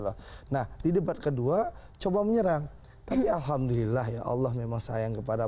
lah nah di debat kedua coba menyerang tapi alhamdulillah ya allah memang sayang kepada